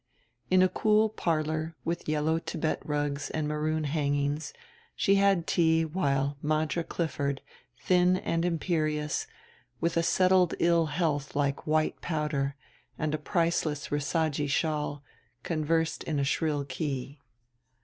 In a cool parlor with yellow Tibet rugs and maroon hangings she had tea while Madra Clifford, thin and imperious, with a settled ill health like white powder and a priceless Risajii shawl, conversed in a shrill key.